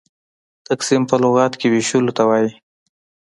تقسيم په لغت کښي وېشلو ته وايي.